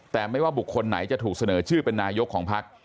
แต่ไม่ว่าบุคคลไหนจะถูกเสนอชื่อเป็นนายกของพัก